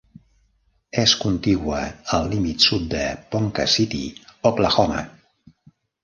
És contigua al límit sud de Ponca City, Oklahoma.